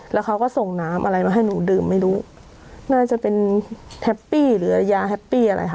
แล้วเขาก็ส่งน้ำอะไรมาให้หนูดื่มไม่รู้น่าจะเป็นแฮปปี้หรือยาแฮปปี้อะไรค่ะ